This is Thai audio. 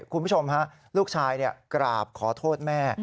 คุณผู้ชมฮะลูกชายกราบขอโทษแม่